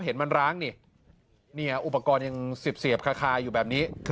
เห็นมันร้างนี่อุปกรณ์ยังเสียบคาอยู่แบบนี้